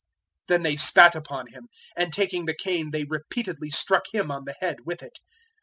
027:030 Then they spat upon Him, and taking the cane they repeatedly struck Him on the head with it.